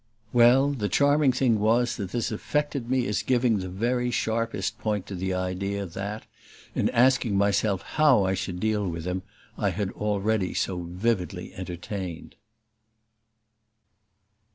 Well, the charming thing was that this affected me as giving the very sharpest point to the idea that, in asking myself how I should deal with him, I had already so vividly entertained.